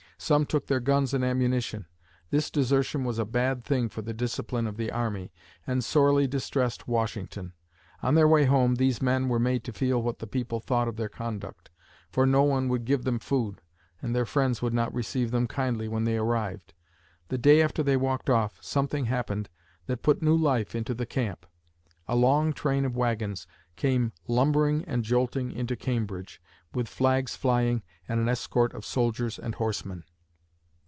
Some took their guns and ammunition. This desertion was a bad thing for the discipline of the army, and sorely distressed Washington. On their way home, these men were made to feel what the people thought of their conduct, for no one would give them food, and their friends would not receive them kindly when they arrived. The day after they walked off, something happened that put new life into the camp. A long train of wagons came lumbering and jolting into Cambridge, with flags flying and an escort of soldiers and horsemen.